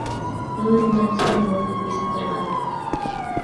Нуно мемнан семын огыл, писын тарванылыт.